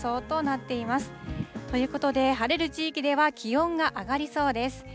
ということで、晴れる地域では気温が上がりそうです。